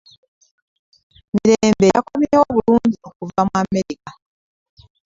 Mirembe yakomyewo bulungi okuva mu America.